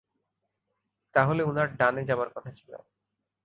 তাহলে উনার ডানে যাবার কথা ছিল।